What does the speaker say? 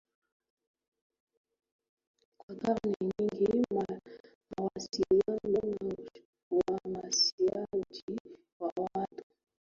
Kwa karne nyingi mawasiliano na uhamasishaji wa watu